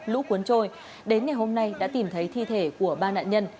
lũ cuốn trôi đến ngày hôm nay đã tìm thấy thi thể của ba nạn nhân